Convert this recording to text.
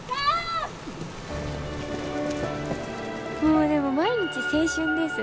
もうでも毎日青春です。